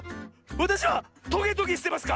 わたしはトゲトゲしてますか？